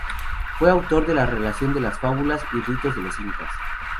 Fue autor de "Relación de las fábulas y ritos de los Incas".